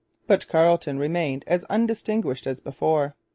But Carleton remained as undistinguished as before.